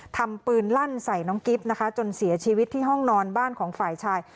ทำปืนลั่นใส่น้องกิ๊บนะคะจนเสียชีวิตที่ห้องนอนบ้านของฝ่ายชาย